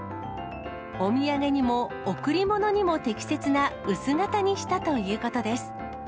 お土産にも贈り物にも適切な薄型にしたということです。